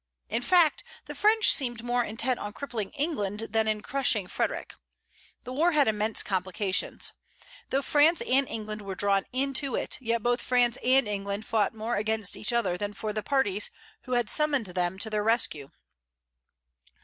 In fact, the French seemed more intent on crippling England than in crushing Frederic. The war had immense complications. Though France and England were drawn into it, yet both France and England fought more against each other than for the parties who had summoned them to their rescue.